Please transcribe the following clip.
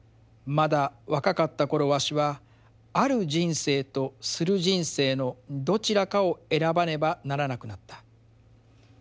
まだ若かった頃わしはある人生とする人生のどちらかを選ばねばならなくなった。